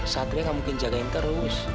satria nggak mungkin jagain terus